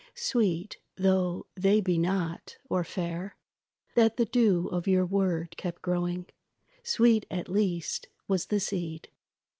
Sweet though they be not, or fair, That the dew of your word kept growing, Sweet at least was the seed.